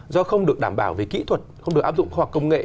do không được đảm bảo về kỹ thuật không được áp dụng khoa học công nghệ